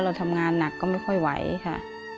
เราทำงานหนักก็ไม่ค่อยไหวค่ะ